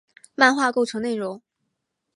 漫画构成内容。